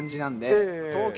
東京。